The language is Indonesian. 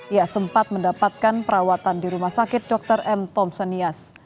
ia sempat mendapatkan perawatan di rumah sakit dr m tom senias